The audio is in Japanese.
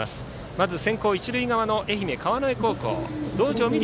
まず先攻、一塁側の愛媛・川之江高校道上美瑠